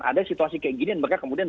ada situasi kayak gini dan mereka kemudian